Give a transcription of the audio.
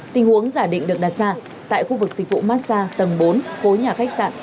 tình huống giả định được đặt ra tại khu vực dịch vụ massag tầng bốn khối nhà khách sạn